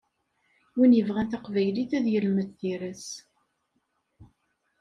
Win yebɣan taqbaylit ad yelmed tira-s.